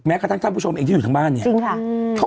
กระทั่งท่านผู้ชมเองที่อยู่ทางบ้านเนี่ยจริงค่ะ